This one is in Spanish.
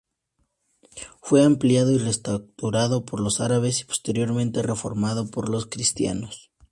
Fue ampliado y reestructurado por los árabes y posteriormente reformado por los cristianos.